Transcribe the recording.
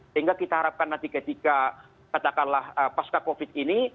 sehingga kita harapkan nanti ketika katakanlah pasca covid ini